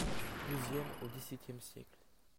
XIIème au XVIIème siècles.